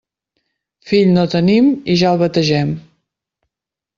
Fill no tenim i ja el bategem.